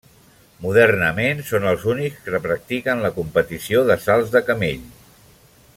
Modernament són els únics que practiquen la competició de salts de camell.